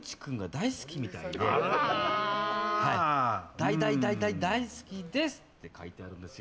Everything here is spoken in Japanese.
大大大大大好きですって書いてあるんですよ。